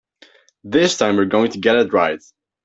This time we're going to get it right.